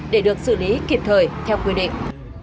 để được xử lý kịp thời theo quy định